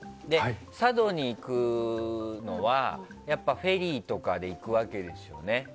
佐渡に行くのはやっぱりフェリーとかで行くわけですよね。